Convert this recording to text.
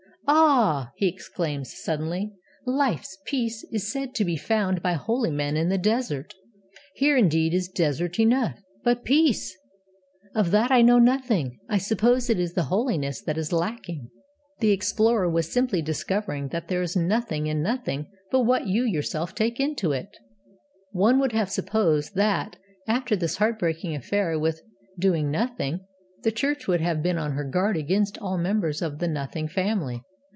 'Ah!' he exclaims suddenly, 'life's peace is said to be found by holy men in the desert. Here indeed is desert enough; but peace! of that I know nothing. I suppose it is the holiness that is lacking.' The explorer was simply discovering that there is nothing in Nothing but what you yourself take into it. One would have supposed that, after this heart breaking affair with Doing Nothing, the Church would have been on her guard against all members of the Nothing family.